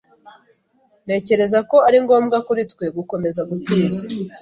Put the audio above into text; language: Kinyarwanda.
Ntekereza ko ari ngombwa kuri twe gukomeza gutuza.